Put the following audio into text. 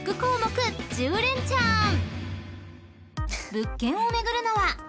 ［物件を巡るのは］